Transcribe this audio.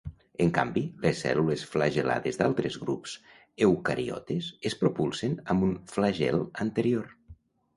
En canvi, les cèl·lules flagel·lades d'altres grups eucariotes es propulsen amb un flagel anterior.